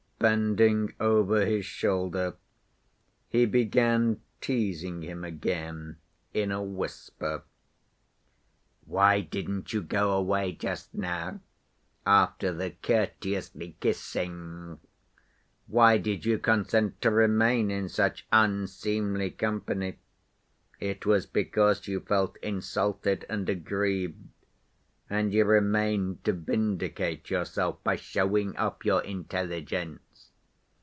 Bending over his shoulder he began teasing him again in a whisper. "Why didn't you go away just now, after the 'courteously kissing'? Why did you consent to remain in such unseemly company? It was because you felt insulted and aggrieved, and you remained to vindicate yourself by showing off your intelligence.